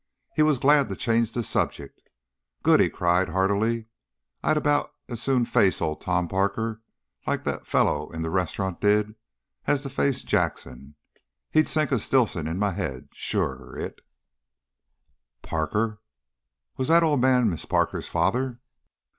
He was glad to change the subject. "Good!" he cried, heartily. "I'd about as soon face Old Tom Parker, like that fellow in the restaurant did, as to face Jackson. He'd sink a stillson in my head, sure, if " "Parker? Was that old man Miss Parker's father?"